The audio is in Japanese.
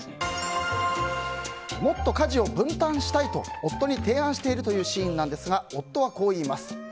もっと家事を分担したいと夫に提案しているシーンですが夫はこう言います。